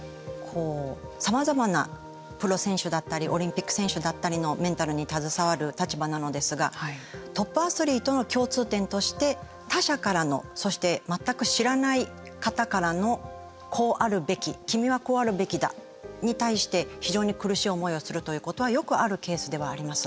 さまざまなプロ選手だったりオリンピック選手だったりのメンタルに携わる立場なのですがトップアスリートの共通点として他者からの、そして全く知らない方からの「こうあるべき」「君はこうあるべきだ」に対して非常に苦しい思いをするということはよくあるケースではあります。